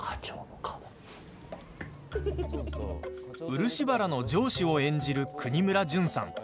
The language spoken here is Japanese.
漆原の上司を演じる國村隼さん。